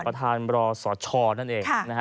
ประธานบรสชนั่นเอง